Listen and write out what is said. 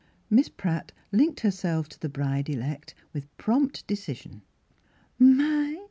Miss Pratt linked herself to the bride elect with prompt decision. " My